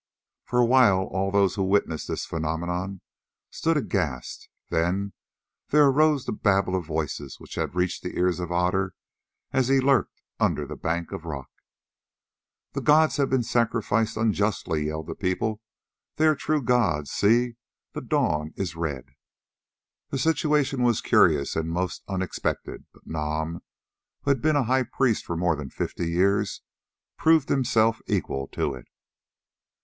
For a while all those who witnessed this phenomenon stood aghast, then there arose that babel of voices which had reached the ears of Otter as he lurked under the bank of rock. "The gods have been sacrificed unjustly," yelled the people. "They are true gods; see, the dawn is red!" The situation was curious and most unexpected, but Nam, who had been a high priest for more than fifty years, proved himself equal to it.